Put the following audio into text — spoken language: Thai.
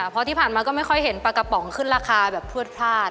เพราะที่ผ่านมาก็ไม่ค่อยเห็นปลากระป๋องขึ้นราคาแบบพลวดพลาด